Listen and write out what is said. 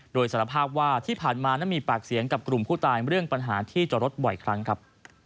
โดยสารภาพว่าที่ผ่านมานั้นมีปากเสียงกับกลุ่มผู้ตายเรื่องปัญหาที่จอดรถบ่อยครั้งครับ